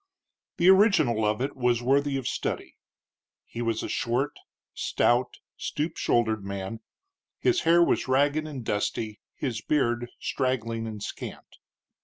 The original of it was worthy of study. He was a short, stout, stoop shouldered man; his hair was ragged and dusty, his beard straggling and scant.